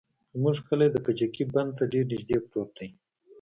زموږ کلى د کجکي بند ته ډېر نژدې پروت دى.